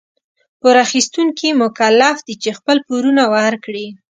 پور اخيستونکي مکلف دي چي خپل پورونه ورکړي.